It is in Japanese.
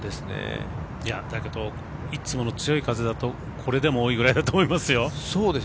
いや、だけどいつもの強い風だとこれでも多いぐらいだと思いますよ。